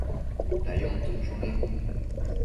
dayun tsëcshuni